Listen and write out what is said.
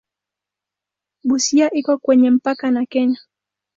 Busia iko kwenye mpaka na Kenya.